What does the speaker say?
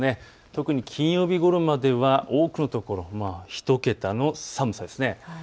特に金曜日ごろまでは多くのところ１桁の寒さです。